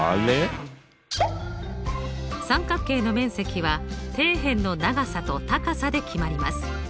三角形の面積は底辺の長さと高さで決まります。